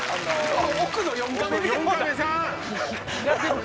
奥の４カメ見て。